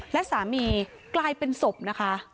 และสามีกลายเป็นศพนะคะ